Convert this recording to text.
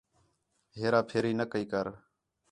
ہیرا پھیری نہ کَئی کر